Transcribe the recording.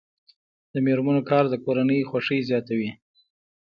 د میرمنو کار د کورنۍ خوښۍ زیاتوي.